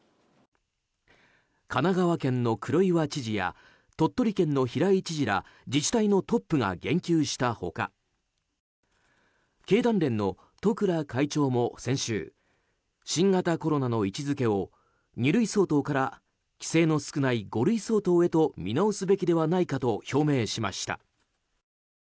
神奈川県の黒岩知事や鳥取県の平井知事ら自治体のトップが言及した他経団連の十倉会長も先週新型コロナの位置づけを二類相当から規制の少ない五類相当へと見直すべきではないかと表明しました。